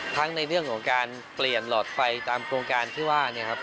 ทั้งในเรื่องของการเปลี่ยนหลอดไฟตามโครงการที่ว่าเนี่ยครับ